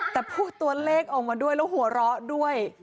แต่พูดตัวเลขออกมาด้วยแล้วหัวเราะด้วย